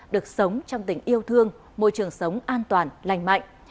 được sống trong tình yêu thương môi trường sống an toàn lành mạnh